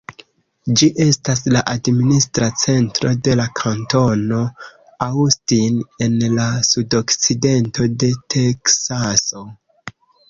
Ĝi estas la administra centro de la kantono Austin en la sudokcidento de Teksaso.